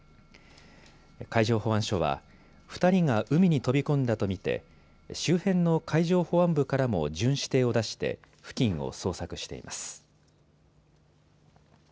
海上保安署は２人が海に飛び込んだと見て周辺の海上保安部からも巡視艇を出して付近を捜索しています。